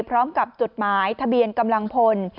พร้อมกับจุดหมายทะเบียนกำลังพล